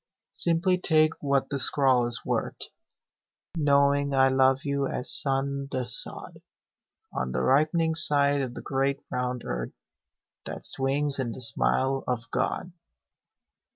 Simply take what the scrawl is worth Knowing I love you as sun the sod On the ripening side of the great round earth That swings in the smile of God.